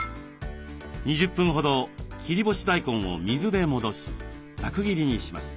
２０分ほど切り干し大根を水で戻しざく切りにします。